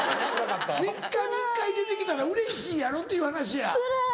３日に１回出て来たらうれしいやろっていう話や。